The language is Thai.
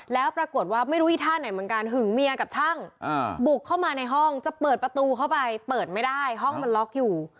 แล้วปรากฏว่าไม่รู้อีท่าไหนเหมือนกันหึงเมียกับช่างบุกเข้ามาในห้องจะเปิดประตูเข้าไปเปิดไม่ได้ห้องมันล็อกอยู่